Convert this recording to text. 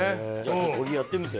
小木やってみて。